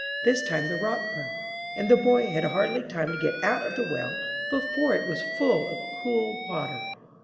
This time the rock broke. And the boy had hardly time to get out of the well before it was full of cool water.